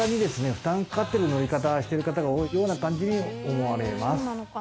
負担かかってる乗り方してる方が多いような感じに思われます。